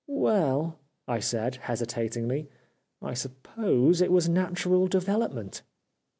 "' Well,' I said hesitatingly, ' I suppose it was natural development.'